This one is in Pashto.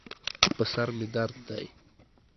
په سر مې درد دی